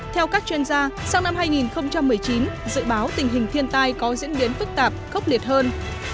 theo các chuyên gia sau năm hai nghìn một mươi chín dự báo tình hình thiên tai có diễn biến phức tạp khốc liệt hơn